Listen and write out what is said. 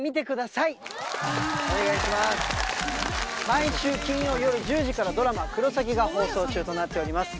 毎週金曜よる１０時からドラマ「クロサギ」が放送中となっております